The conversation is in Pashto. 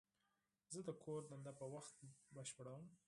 زه د کور دنده په وخت بشپړوم.